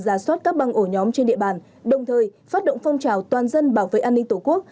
giả soát các băng ổ nhóm trên địa bàn đồng thời phát động phong trào toàn dân bảo vệ an ninh tổ quốc